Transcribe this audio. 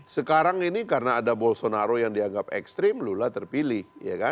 sekarang ini karena ada bolsonaro yang dianggap ekstrim lula terpilih